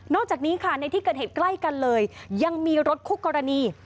จากนี้ค่ะในที่เกิดเหตุใกล้กันเลยยังมีรถคู่กรณี